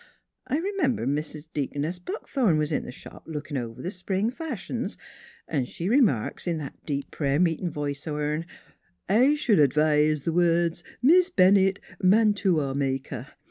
I r'member Mis' Deaconess Buckthorn was in th' shop lookin' over th' spring fashions; 'n' she r'marks in that deep, pray'r meetin' voice o' hern : NEIGHBORS 3 1 1 sh'd advise th' words " Miss Bennett, Man tua Maker."